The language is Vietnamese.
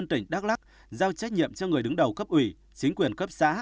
tỉnh đắk lắc giao trách nhiệm cho người đứng đầu cấp ủy chính quyền cấp xã